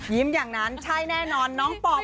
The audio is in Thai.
ยิ้มอย่างนั้นใช่แน่นนอนน้องปอปลา